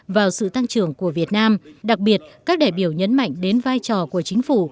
vào sự tăng trưởng của việt nam đặc biệt các đại biểu nhấn mạnh đến vai trò của chính phủ